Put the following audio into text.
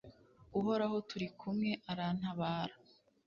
uhoraho turi kumwe, arantabara